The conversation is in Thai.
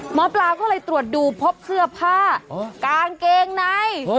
หมอปลาก็เลยตรวจดูพบเสื้อผ้ากางเกงใน